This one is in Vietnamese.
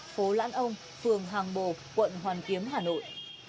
phố lãn ông phường hàng bồ quận hoàn kiếm hà nội